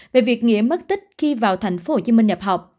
về việc nghĩa mất tích khi vào tp hcm nhập học